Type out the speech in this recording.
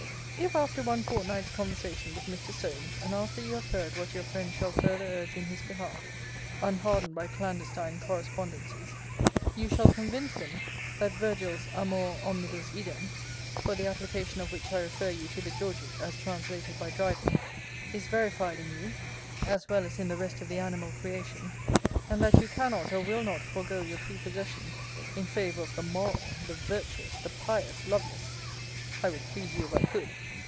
If after one fortnight's conversation with Mr. Solmes, and after you have heard what your friends shall further urge in his behalf, unhardened by clandestine correspondencies, you shall convince them, that Virgil's amor omnibus idem (for the application of which I refer you to the Georgic as translated by Dryden) is verified in you, as well as in the rest of the animal creation; and that you cannot, or will not forego your prepossession in favour of the moral, the virtuous, the pious Lovelace, [I would please you if I could!